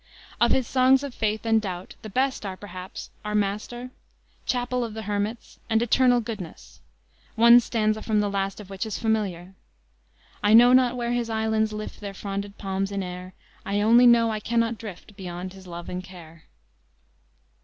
Of his songs of faith and doubt, the best are perhaps Our Master, Chapel of the Hermits, and Eternal Goodness; one stanza from the last of which is familiar: "I know not where His islands lift Their fronded palms in air, I only know I cannot drift Beyond His love and care."